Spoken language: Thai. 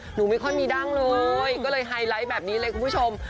หนูไม่ค่อยมีดั้งเลยก็เลยไฮไลท์แบบนี้เลยคุณผู้ชม